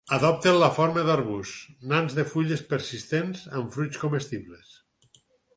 Adopten la forma d'arbusts nans de fulles persistents amb fruits comestibles.